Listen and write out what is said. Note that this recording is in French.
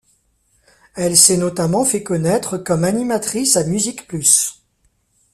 Elle s'est notamment fait connaître comme animatrice à MusiquePlus.